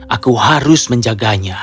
aku harus menjaganya